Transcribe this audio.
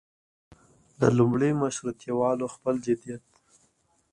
د لومړي مشروطیه والو خپل جديت.